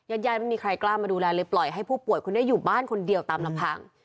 ยายไม่มีใครกล้ามาดูแลเลยปล่อยให้ผู้ป่วยคนนี้อยู่บ้านคนเดียวตามลำพัง